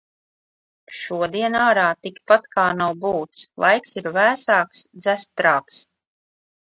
Šodien ārā tikpat kā nav būts. Laiks ir vēsāks, dzestrāks.